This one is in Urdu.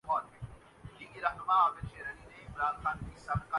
بی بی سی اردو کو اردو نہیں آتی تیندوا ہندی میں ہوتاہے